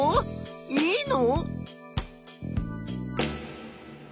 いいの？